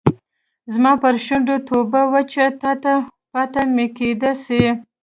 زما پر شونډو توبه وچه تاته پاته میکده سي